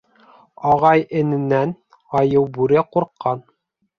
Ағай-эненән айыу-бүре ҡурҡҡан.